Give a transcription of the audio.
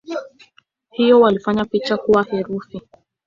Hivyo walifanya picha kuwa herufi.